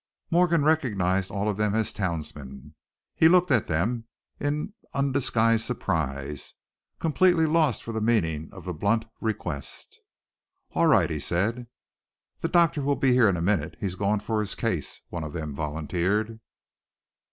Morgan recognized all of them as townsmen. He looked at them in undisguised surprise, completely lost for the meaning of the blunt request. "All right," he said. "The doctor will be here in a minute, he's gone for his case," one of them volunteered.